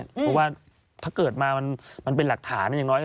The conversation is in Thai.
เพราะว่าถ้าเกิดมามันเป็นหลักฐานอย่างน้อย